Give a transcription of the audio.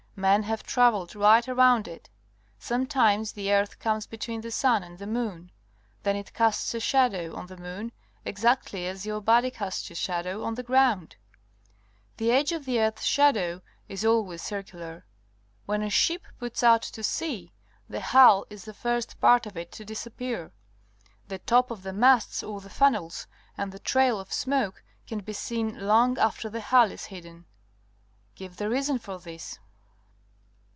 Men have travelled right around it. Some times the earth comes between the sun and the moon. Then it casts a shadow on the moon, exactly as your body casts a shadow on the ground. The edge of the earth's shadow is always circular. When a ship puts out to sea, the hull is the first part of it THE EAETH AS A WHOLE 31 to disappear. The top of the masts or the funnels and the trail of smoke can be seen long after the hull is hidden. Give the reason for this.